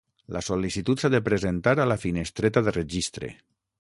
La sol·licitud s'ha de presentar a la finestreta de registre.